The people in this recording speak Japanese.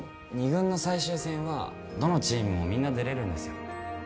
２軍の最終戦はどのチームもみんな出れるんですよ